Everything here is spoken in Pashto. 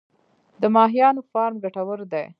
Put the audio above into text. د ماهیانو فارم ګټور دی؟